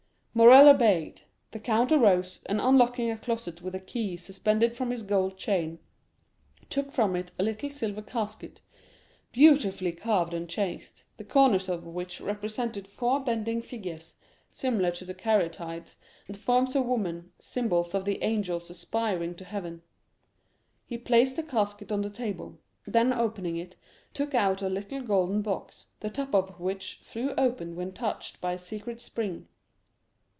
Morrel obeyed; the count arose, and unlocking a closet with a key suspended from his gold chain, took from it a little silver casket, beautifully carved and chased, the corners of which represented four bending figures, similar to the Caryatides, the forms of women, symbols of the angels aspiring to heaven. He placed the casket on the table; then opening it took out a little golden box, the top of which flew open when touched by a secret spring.